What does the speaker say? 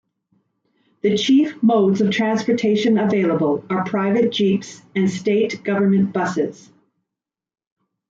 The chief modes of transportation available are private jeeps and state government buses.